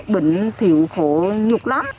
bẩn thiểu khổ nhục lắm